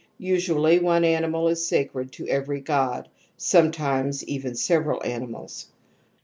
Usually one animal is sacred to every god, sometimes even several ani mals.